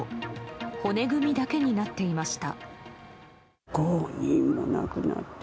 骨組みだけになっていました。